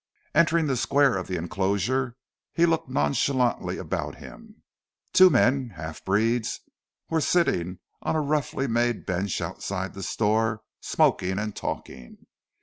Entering the Square of the enclosure he looked nonchalantly about him. Two men, half breeds, were sitting on a roughly made bench outside the store, smoking and talking.